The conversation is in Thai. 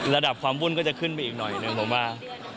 ระดับความวุ่นก็จะขึ้นไปอีกหน่อยหนึ่งผมว่า